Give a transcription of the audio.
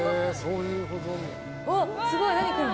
おっすごい何これ。